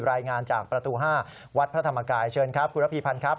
รายงานจากประตู๕วัดพระธรรมกายเชิญครับคุณระพีพันธ์ครับ